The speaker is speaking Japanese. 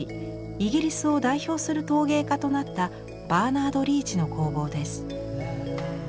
イギリスを代表する陶芸家となったバーナード・リーチの工房です。